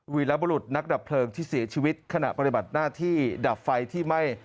วีรบรุษนักดับเพลิงที่เสียชีวิตขณะปฏิบัติหน้าที่ดับไฟที่ไหม้